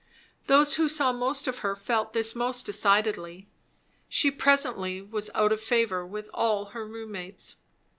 Those who saw most of her felt this most decidedly. She presently was out of favour with all her roommates.